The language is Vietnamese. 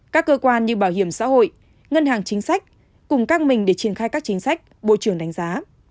các cơ quan như bảo hiểm xã hội ngân hàng chính sách cùng các mình để triển khai các chính sách bộ trưởng đánh giá